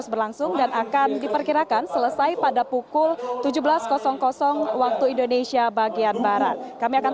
berlangsung dan akan diperkirakan selesai pada pukul tujuh belas waktu indonesia bagian barat kami akan